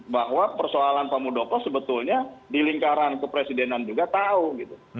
bahwa persoalan pak muldoko sebetulnya di lingkaran kepresidenan juga tahu gitu